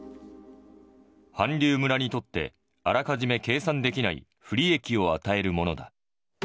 韓流村にとって、あらかじめ計算できない不利益を与えるものだ。